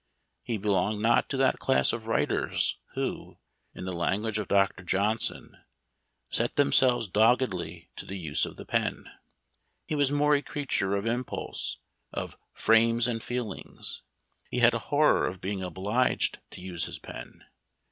He belonged not to that class of writers who, in the language of Dr. Johnson, "set them selves doggedly" to the use of the pen. He was more a creature of impulse, of " frames and feelings." He had a horror of being obliged to use his pen.